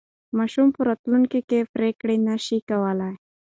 ماشوم په راتلونکي کې پرېکړې نه شي کولای.